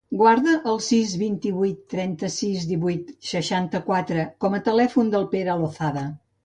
Guarda el sis, vint-i-vuit, trenta-sis, divuit, seixanta-quatre com a telèfon del Pere Lozada.